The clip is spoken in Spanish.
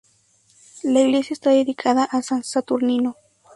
La iglesia está dedicada a San Saturnino.